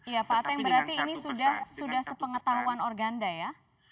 iya pak ateng berarti ini sudah sepengetahuan organda ya